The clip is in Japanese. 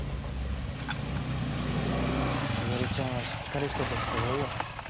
伊織ちゃんはしっかりしててすごいよ。